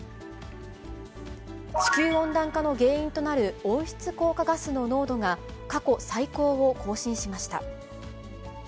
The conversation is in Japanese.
地球温暖化の原因となる温室効果ガスの濃度が、過去最高を更新しました。